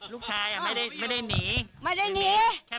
โทษปะไม่มีอะไรกัน